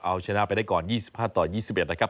เอาชนะไปได้ก่อน๒๕ต่อ๒๑นะครับ